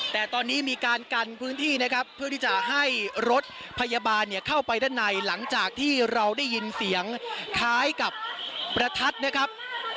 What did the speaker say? แต่ตอนนี้มีการกันพื้นที่นะครับเพื่อที่จะให้รถพยาบาลเนี่ยเข้าไปด้านในหลังจากที่เราได้ยินเสียงคล้ายกับประทัดนะครับ